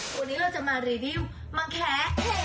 วันนี้เราจะมารีวิวมาแคะ